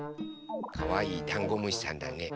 かわいいダンゴムシさんだね。